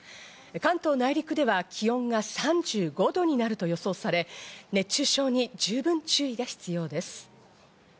関東内陸では気温が３５度になると予想され、熱中症に十分注意が必要です。